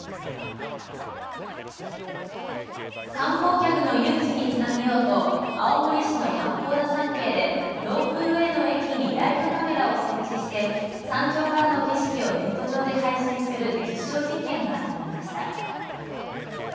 観光客の誘致につなげようと青森市の八甲田山系でロープウエーの駅にライブカメラを設置して山頂からの景色をネット上で配信する実証実験が始まりました。